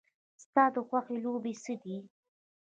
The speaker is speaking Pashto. ستا د خوښې لوبې څه دي؟